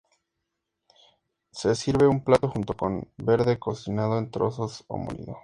Se sirve en un plato junto con verde cocinado en trozos o molido.